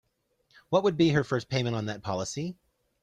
What would be her first payment on that policy?